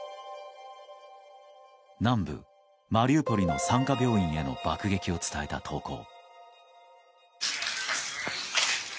南部マリウポリの産科病院への爆撃を伝えた投稿。